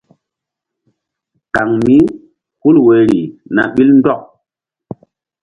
Kan mí hul woyri na ɓil ndɔk.